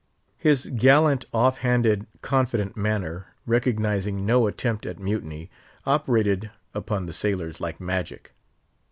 His gallant, off handed, confident manner, recognising no attempt at mutiny, operated upon the sailors like magic.